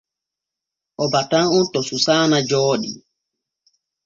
O batan on to Susaana Jooɗi.